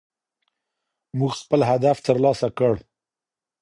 موږ خپل هدف ترلاسه کړ.